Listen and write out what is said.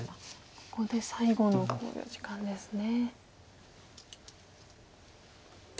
ここで最後の考慮時間ですね。